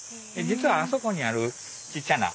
実はあそこにあるちっちゃな建物。